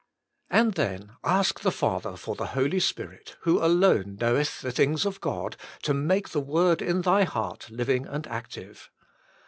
And then, ask the Father for the Holy Spirit Who alone Kkoweth the things of God, to make the word in thy heart living and active.